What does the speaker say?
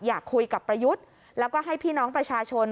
อยากคุยกับประยุทธ์แล้วก็ให้พี่น้องประชาชน